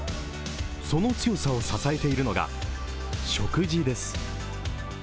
その強さを支えているのが食事です。